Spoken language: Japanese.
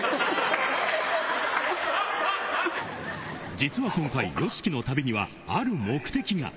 実は今回、ＹＯＳＨＩＫＩの旅にはある目的が。